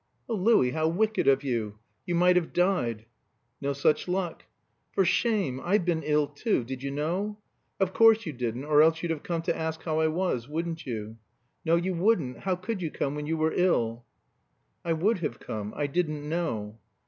"Oh, Louis, how wicked of you! You might have died!" "No such luck." "For shame! I've been ill too; did you know? Of course you didn't, or else you'd have come to ask how I was, wouldn't you? No, you wouldn't. How could you come when you were ill?" "I would have come. I didn't know."